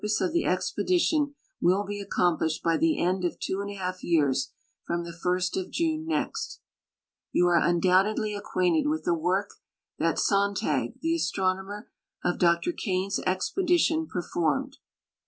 se of the ex|)cdition will he acc<nnplished hy the end of two and a lialf years from the 1st of .Inne ne.\t. Yon are nixlonhtedly acquainted with the work that Sontag, theastron ijiner of Dr Kane's expedition, |i(!rfornn'<l.